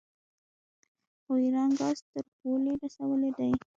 خو ایران ګاز تر پولې رسولی دی.